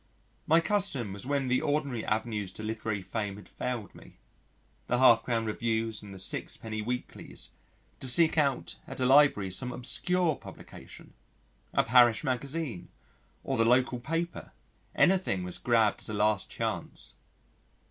My custom was when the ordinary avenues to literary fame had failed me the half crown Reviews and the sixpenny Weeklies to seek out at a library some obscure publication a Parish Magazine or the local paper anything was grabbed as a last chance.